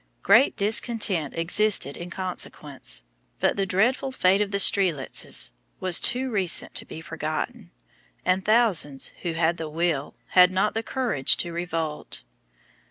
Great discontent existed in consequence, but the dreadful fate of the Strelitzes was too recent to be forgotten, and thousands who had the will had not the courage to revolt.